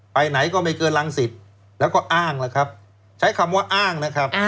ไปไหนก็ไม่เกินรังสิตแล้วก็อ้างแล้วครับใช้คำว่าอ้างนะครับ